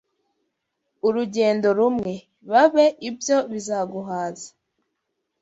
urugendo rumwe, Babe Ibyo bizaguhaza;